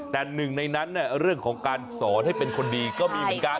แต่หนึ่งในนั้นเรื่องของการสอนให้เป็นคนดีก็มีเหมือนกัน